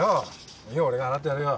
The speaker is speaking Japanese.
いいよ俺が払ってやるよ。